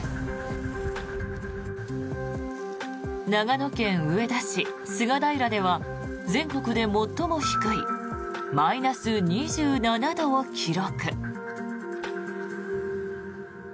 長野県上田市菅平では全国で最も低いマイナス２７度を記録。